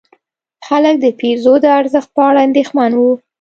خلک د پیزو د ارزښت په اړه اندېښمن وو.